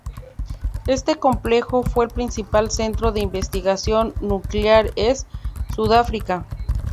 Este complejo fue el principal centro de investigación nuclear en Sudáfrica.